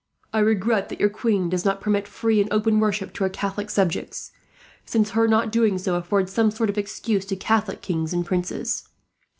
I regret that your queen does not permit free and open worship to her Catholic subjects, since her not doing so affords some sort of excuse to Catholic kings and princes.